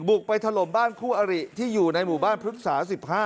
ไปถล่มบ้านคู่อริที่อยู่ในหมู่บ้านพฤกษา๑๕